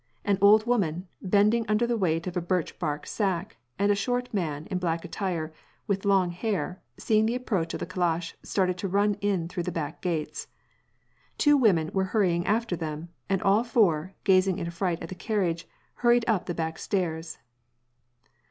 An old woman, bending under the weight of a birch bark sack, and a short man, in black attire and with long hair, seeing the approach of the calash, started to run in through the back gates. Two women were hurrying after them, and all four, gazing in affright at the carriage, hurried up the back stairs.